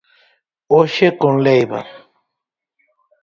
Hoxe con Leiva.